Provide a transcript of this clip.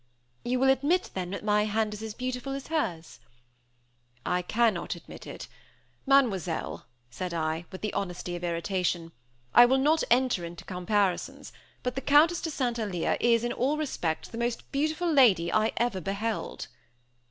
"You will admit, then, that my hand is as beautiful as hers?" "I cannot admit it. Mademoiselle," said I, with the honesty of irritation. "I will not enter into comparisons, but the Countess de St. Alyre is, in all respects, the most beautiful lady I ever beheld."